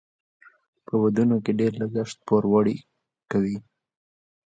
په ودونو کې ډیر لګښت پوروړي کوي.